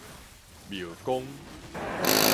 廟公